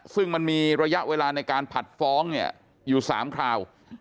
ซึ่งมันมีระยะเวลาในการผัดฟ้องเนี่ยอยู่๓คราว